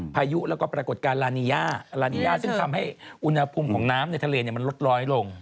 พายุแล้วก็ปรากฏการณ์ลานีย่าลาลานีย่าซึ่งทำให้อุณหภูมิของน้ำในทะเลมันลดน้อยลง